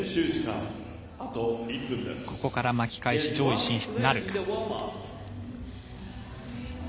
ここから巻き返し上位進出なるか。